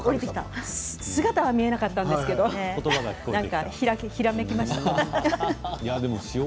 姿は見えなかったんですけれどもひらめきました。